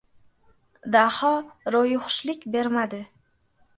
Daho ro‘yixushlik bermadi.